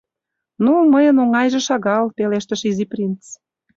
— Ну, мыйын оҥайже шагал, — пелештыш Изи принц.